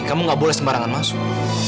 kamu gak boleh sembarangan masuk